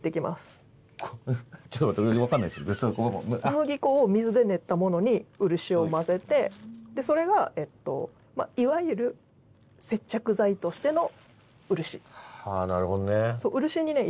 小麦粉を水で練ったものに漆を混ぜてそれがいわゆるはあなるほどね。